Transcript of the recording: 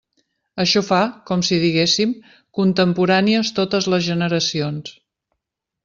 Això fa, com si diguéssim, contemporànies totes les generacions.